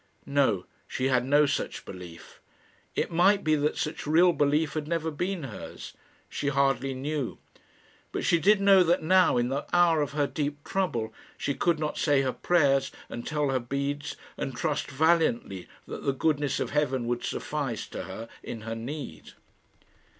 No; she had no such belief. It might be that such real belief had never been hers. She hardly knew. But she did know that now, in the hour of her deep trouble, she could not say her prayers and tell her beads, and trust valiantly that the goodness of heaven would suffice to her in her need.